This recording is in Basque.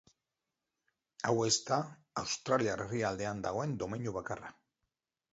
Hau ez da Australiar herrialdean dagoen domeinu bakarra.